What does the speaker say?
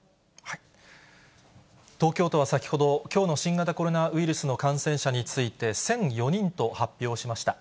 東京都は先ほど、きょうの新型コロナウイルスの感染者について、１００４人と発表しました。